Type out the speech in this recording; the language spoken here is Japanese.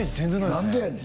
何でやねん！